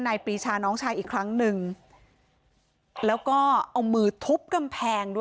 นี่ฟังเสียงเบิ้ลเครื่องนิดนึง